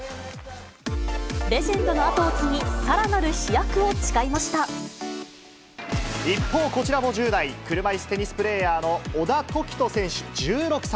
レジェンドの後を継ぎ、一方、こちらも１０代、車いすテニスプレーヤーの小田凱人選手１６歳。